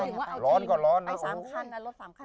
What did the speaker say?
ไปถึงลด๓ครั้งเอารถ๓ครั้ง